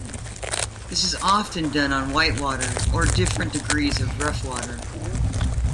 This is often done on whitewater or different degrees of rough water.